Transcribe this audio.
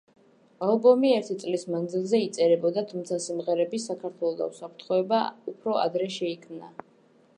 ალბომი ერთი წლის მანძილზე იწერებოდა, თუმცა სიმღერები „საქართველო“ და „უსაფრთხოება“ უფრო ადრე შეიქმნა.